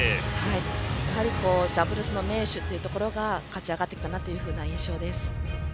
やはりダブルスの名手というところが勝ち上がってきたなという印象です。